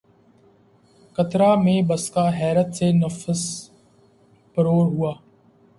قطرہٴ مے بسکہ حیرت سے نفس پرور ہوا